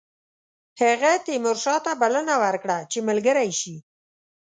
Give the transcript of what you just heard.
هغه تیمورشاه ته بلنه ورکړه چې ملګری شي.